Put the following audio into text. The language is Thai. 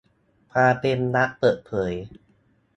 ความเป็นรัฐเปิดเผย